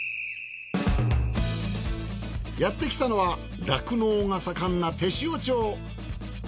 やってきたのは酪農が盛んな天塩町。